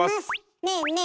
ねえねえ